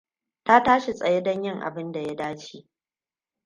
Ta tashi tsaye don yin abin da ya dace.